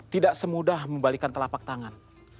tidak semudah membalikan telapak tangan